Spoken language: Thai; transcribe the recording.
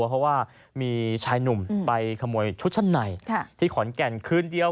เพราะว่ามีชายหนุ่มไปขโมยชุดชั้นในที่ขอนแก่นคืนเดียว